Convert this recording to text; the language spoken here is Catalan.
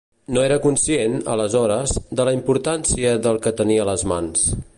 No era conscient, aleshores, de la importància del que tenia a les mans.